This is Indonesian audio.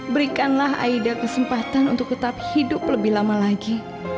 berikanlah aida kesempatan untuk tetap hidup lebih lama lagi